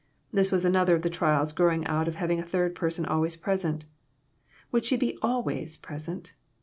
This was another of the trials growing out of having a third person always present. Would she be "always" pres ent?